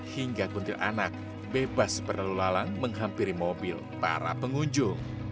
hingga kuntil anak bebas berlalang menghampiri mobil para pengunjung